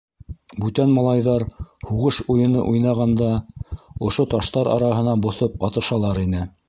Бүтән малайҙар, «һуғыш уйыны» уйнағанда, ошо таштар араһына боҫоп атышалар ине.